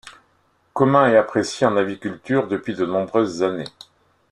Commun et apprécié en aviculture depuis de nombreuses années.